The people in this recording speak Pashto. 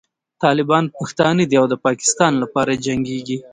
طالبان پښتانه دي او د پاکستان لپاره جنګېږي.